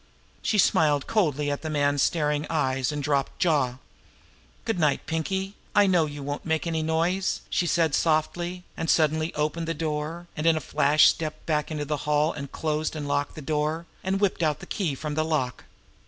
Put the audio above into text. She smiled coldly at the man's staring eyes and dropped jaw. "Good night, Pinkie; I know you won't make any noise," she said softly and suddenly opened the door, and in a flash stepped back into the hall, and closed and locked the door, and whipped out the key from the lock.